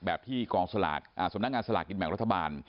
แบบที่กองสลากสำนักงานสลากกินแบ่งรัฐบาล